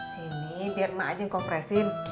sini biar emak aja yang kompresin